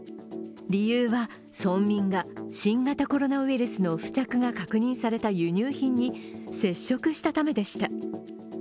理由は、村民が新型コロナウイルスの付着が確認された輸入品に接触したためでした。